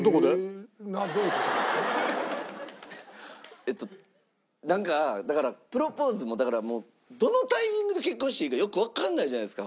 えっとなんかだからプロポーズもだからもうどのタイミングで結婚していいかよくわからないじゃないですか。